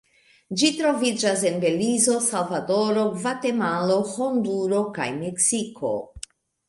Ĝi troviĝas en Belizo, Salvadoro, Gvatemalo, Honduro kaj Meksiko.